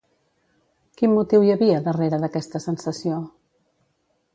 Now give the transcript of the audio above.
Quin motiu hi havia darrere d'aquesta sensació?